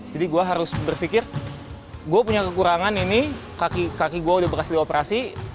jadi gue harus berpikir gue punya kekurangan ini kaki gue udah berhasil operasi